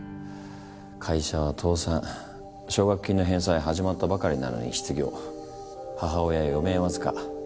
会社は倒産奨学金の返済始まったばかりなのに失業母親は余命僅か。